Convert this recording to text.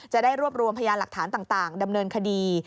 จะได้รวบรวมพยานหลักฐานต่างดำเนินคดี